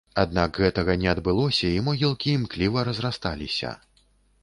Аднак гэтага не адбылося і могілкі імкліва разрасталіся.